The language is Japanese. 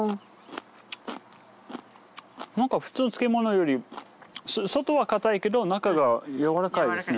何か普通の漬物より外はかたいけど中がやわらかいですね。